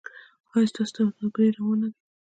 ایا ستاسو سوداګري روانه ده؟